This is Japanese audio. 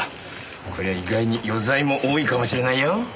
こりゃ意外に余罪も多いかもしれないよ。